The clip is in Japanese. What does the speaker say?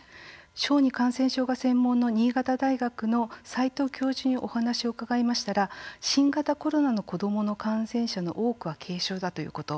小児感染症が専門の新潟大学の齋藤教授にお話を伺いましたら新型コロナの子どもの感染者の多くは軽症だということ。